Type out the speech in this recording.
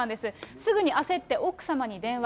すぐに焦って奥様に電話。